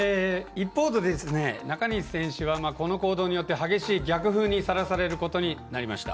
一方の中西選手はこの行動によって激しい逆風にさらされることになりました。